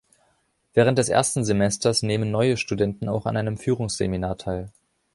Während des ersten Semesters nehmen neue Studenten auch an einem Führungsseminar teil.